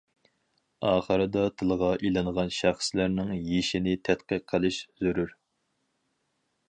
ئاخىرىدا تىلغا ئېلىنغان شەخسلەرنىڭ يېشىنى تەتقىق قىلىش زۆرۈر.